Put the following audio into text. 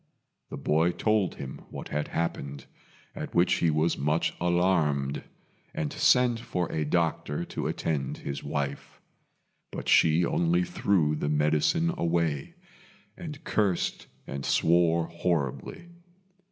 The boy told him what had happened, at which he was much alarmed, and sent for a doctor to attend his wife; but she only threw the medicine away, and cursed and swore horribly.